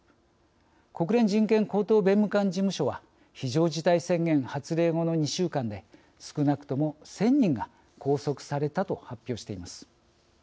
国連人権高等弁務官事務所は非常事態宣言発令後の２週間で少なくとも１０００人が拘束されたと発表しています。